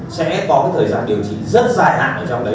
sẽ có cái thời gian điều trị rất dài hạn ở trong đấy